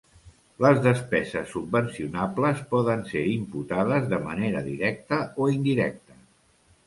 Les despeses subvencionables poden ser imputades de manera directa o indirecta.